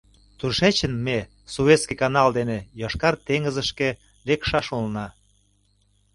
Тушечын ме Суэцкий канал дене йошкар теҥызышке лекшаш улына.